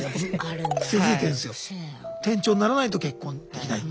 店長にならないと結婚できない。